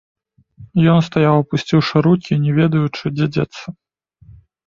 Ён стаяў апусціўшы рукі і не ведаючы, дзе дзецца.